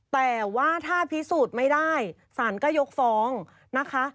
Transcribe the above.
แต่ว่าถ้าพิสูจน์ไม่ได้สารก็ยกฟ้องนะคะ